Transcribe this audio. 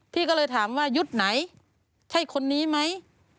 พี่ก็เลยถามว่ายุทธ์ไหนใช่คนนี้ไหม